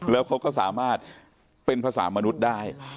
แล้วเขาก็สามารถเป็นภาษามนุษย์ได้